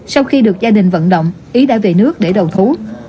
sau khi được gia đình vận động ý đã về nước để đầu thú